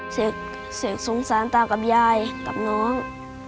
เสียงสงสารตากับยายกับน้อง